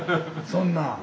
そんな。